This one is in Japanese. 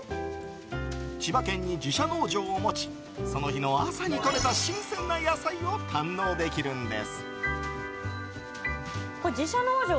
千葉県に自社農場を持ちその日の朝にとれた新鮮な野菜を堪能できるんです。